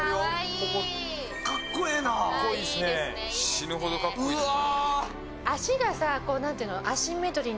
死ぬほどかっこいいな。